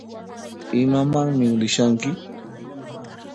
Imamanmi rishanki?